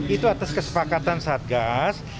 itu atas kesepakatan satgas